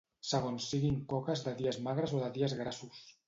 segons siguin coques de dies magres o de dies grassos